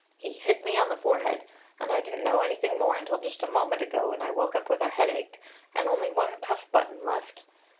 He hit me on the forehead, and I didn't know anything more until just a moment ago, when I woke up with a headache, and only one cuff button left.